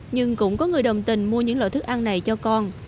nhưng cũng có người đồng tình mua những loại thức ăn này cho con